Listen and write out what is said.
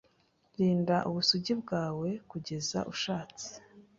Rinda ubusugi bwawe kugeza ushatse